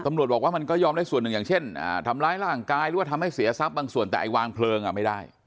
ตำรวจบอกว่ามันก็ยอมได้ส่วนหนึ่งอย่างเช่นทำร้ายร่างกายหรือว่าทำให้เสียทรัพย์บางส่วนแต่ไอวางเพลิงไม่ได้